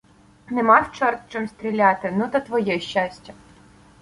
— Не мав чорт чим стріляти! Ну та твоє щастя.